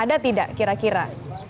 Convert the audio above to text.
ada tidak kira kira